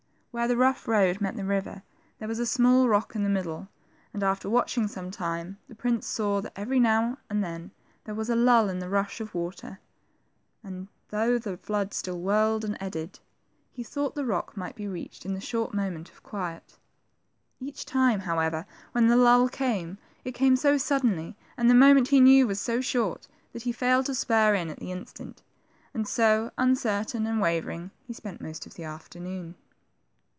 Where the rough road met the river there was a small rock in the middle, and after watching some time, the prince saw that every now and then there was a lull in the rush of water, and though the flood still whirled and eddied, he thought the rock might be reached in the short moment of quiet. Each time, however, when the lull came, it came so suddenly, and the moment, he knew, was so short, that he failed to spur in at the instant ; and so, un certain and wavering, he spent most of the afternoon.